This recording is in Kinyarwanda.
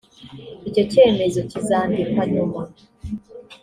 icyo cyemezo kizandikwa nyuma